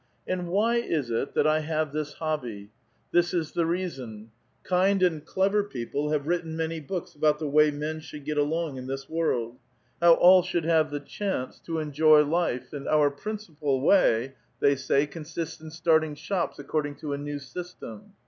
And why is it that I have this hobby ? This is *"® reason : Kind and clever people have wiitten many hooks about the way men should get along in this world ; how all shonhl have the chance to enjoy life, and our prin cipal way, they say, consists in starting shops according to a Hew system.